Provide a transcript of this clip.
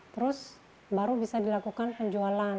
terus baru bisa dilakukan penjualan